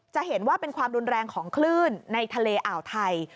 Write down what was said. จะเห็นว่าเป็นความรุนแรงของคลื่นในทะเลอ่าวไทย